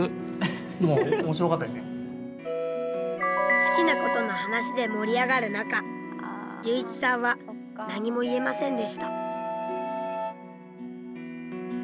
好きなことの話で盛り上がる中隆一さんは何も言えませんでした。